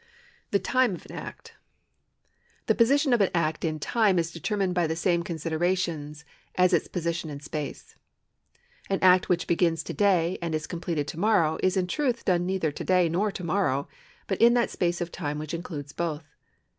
The lime of an act. The position of an act in time is determined l)y the same considerations as its jiosition in s]iaec. An act wliich begins to day and is completed to morrow is in trutli done neither to day nor to morrow, but in that space of time which includes both.